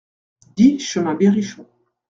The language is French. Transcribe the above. dix chemin Berrichon